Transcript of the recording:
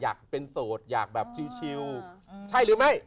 อยากเป็นโสดอยากแบบชิลใช่หรือไม่